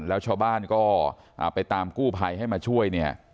แล้วชาวบ้านก็ไปตามกู้ภัยให้มาช่วยเนี่ย